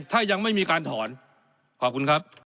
ถ้ายังไม่มีการถอนขอบคุณครับ